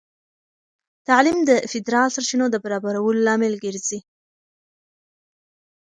تعلیم د فیدرال سرچینو د برابرولو لامل ګرځي.